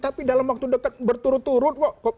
tapi dalam waktu dekat berturut turut kok